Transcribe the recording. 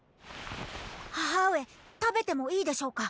母上食べてもいいでしょうか？